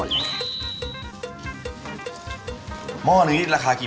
อยากกิน